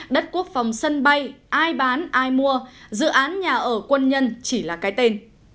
đất quốc phòng sân bay ai bán ai mua dự án nhà ở quân nhân chỉ là cái tên